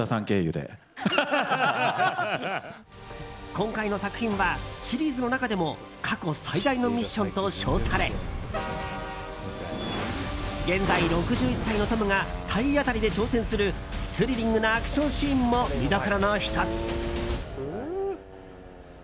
今回の作品はシリーズの中でも過去最大のミッションと称され現在６１歳のトムが体当たりで挑戦するスリリングなアクションシーンも見どころの１つ。